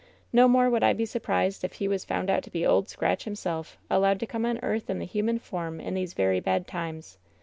No more would I be surprised if he was found out to be Old Scratch himself, allowed to come on earth in the human form in these very bad times.